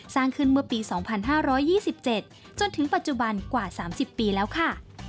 สร้างขึ้นเมื่อปี๒๕๒๗จนถึงปัจจุบันกว่า๓๐ปีแล้วค่ะ